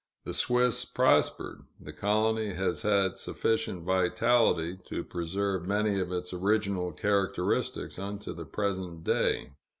The Swiss prospered. The colony has had sufficient vitality to preserve many of its original characteristics unto the present day.